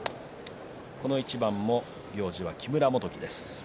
この一番も行司は木村元基です。